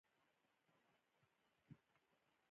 ویرات کهولي د ټېسټ بازي یو لوی کپتان دئ.